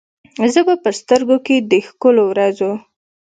زه به په سترګو کې، د ښکلو ورځو،